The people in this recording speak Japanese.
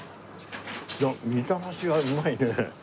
みたらしがうまいね。